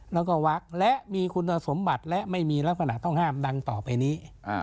แล้วก็วักและมีคุณสมบัติและไม่มีลักษณะต้องห้ามดังต่อไปนี้